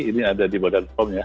ini ada di badan pom ya